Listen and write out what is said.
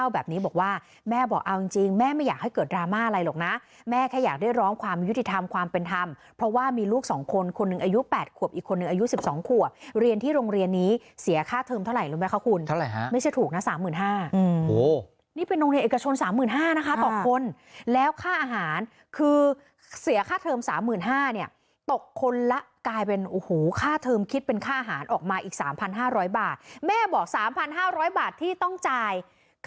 แบบนี้บอกว่าแม่บอกเอาจริงจริงแม่ไม่อยากให้เกิดดราม่าอะไรหรอกนะแม่แค่อยากได้ร้องความยุติธรรมความเป็นธรรมเพราะว่ามีลูกสองคนคนหนึ่งอายุแปดขวบอีกคนหนึ่งอายุสิบสองขวบเรียนที่โรงเรียนนี้เสียค่าเทอร์มเท่าไหร่รู้ไหมคะคุณเท่าไหร่ฮะไม่ใช่ถูกนะสามหมื่นห้าอืมโหนี่เป็นโรงเรียนเอกชน